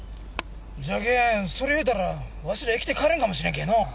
じゃけんそれ言うたらわしら生きて帰れんかもしれんけぇのぅ。